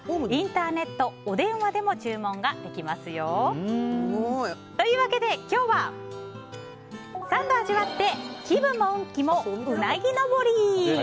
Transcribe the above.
インターネット、お電話でも注文ができますよ。というわけで、今日は３度味わって気分も運気もうなぎのぼり！